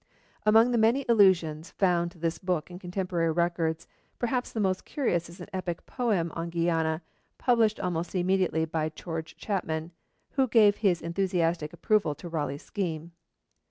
Among the many allusions found to this book in contemporary records, perhaps the most curious is an epic poem on Guiana, published almost immediately by George Chapman, who gave his enthusiastic approval to Raleigh's scheme.